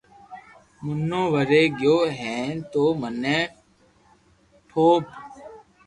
منو ويري گيو ھي تو مني ٺوپ